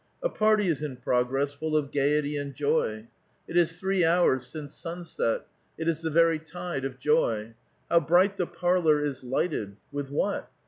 A party is in progress, full of gayety and joy. It is three hours since sunset ; it is the very title of joy. How bright the parlor is lighted! With what?